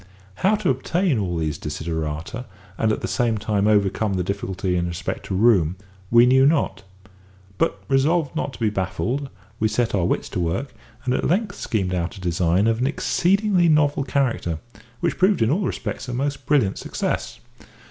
How to obtain all these desiderata, and at the same time overcome the difficulty in respect to room, we knew not. But, resolved not to be baffled, we set our wits to work, and at length schemed out a design of an exceedingly novel character, which proved in all respects a most brilliant success.